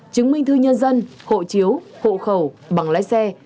chứng minh thư nhân dân hộ chiếu hộ khẩu bằng lái xe